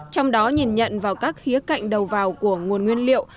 trong đó nhìn nhận vào các khía cạnh đầu vào của nguồn nguyên liệu